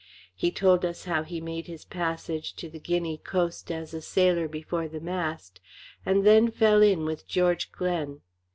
He told us how he made his passage to the Guinea Coast as a sailor before the mast, and then fell in with George Glen.